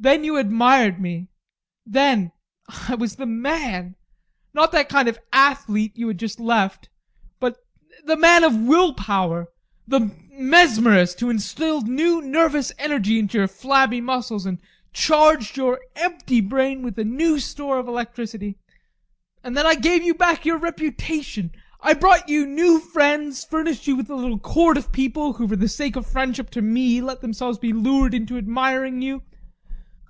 Then you admired me. Then I was the man not that kind of athlete you had just left, but the man of will power, the mesmerist who instilled new nervous energy into your flabby muscles and charged your empty brain with a new store of electricity. And then I gave you back your reputation. I brought you new friends, furnished you with a little court of people who, for the sake of friendship to me, let themselves be lured into admiring you.